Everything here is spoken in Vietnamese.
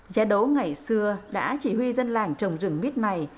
gia đố ngày xưa đã chỉ huy dân làng trồng rừng mít mài